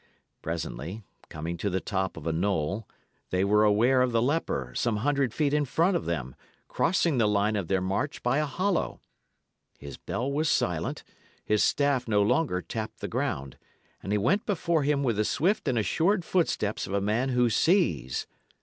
Presently, coming to the top of a knoll, they were aware of the leper, some hundred feet in front of them, crossing the line of their march by a hollow. His bell was silent, his staff no longer tapped the ground, and he went before him with the swift and assured footsteps of a man who sees.